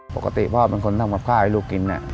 ปกติพ่อเป็นคนทำกับข้าวให้ลูกกินเนี่ย